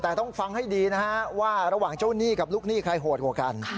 แต่ต้องฟังให้ดีนะฮะว่าระหว่างเจ้าหนี้กับลูกหนี้ใครโหดกว่ากัน